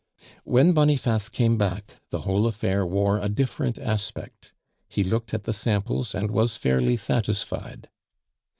When Boniface came back the whole affair wore a different aspect; he looked at the samples, and was fairly satisfied.